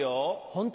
ホント？